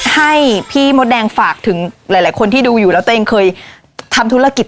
ให้พี่มดแดงฝากถึงหลายคนที่ดูอยู่แล้วตัวเองเคยทำธุรกิจ